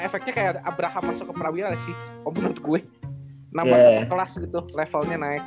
efeknya kayak ada abraham masuk ke perabian sih menurut gue nama kelas gitu levelnya naik